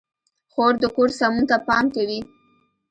خور د کور سمون ته پام کوي.